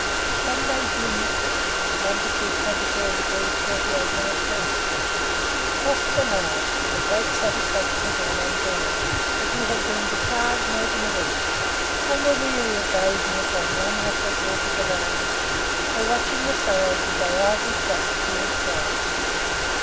SUNDAY, JUNE 6, long. 24 degrees 38 minutes W. Crossed the Line, to the great satisfaction of all on board, as we had been becalmed more than a week, and were weary of gazing upon the unruffled waters around us, or watching the sails as they idly flapped to and fro.